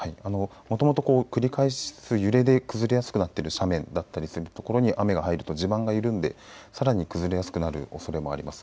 もともと繰り返す揺れで崩れやすくなってる斜面だったりする所に雨が入ると地盤が緩んでさらに崩れやすくなるおそれもあります。